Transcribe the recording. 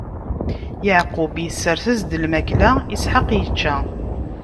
Yeɛqub isers-as-d lmakla, Isḥaq ičča.